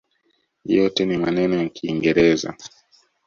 Yote ni maneno ya kiingereza.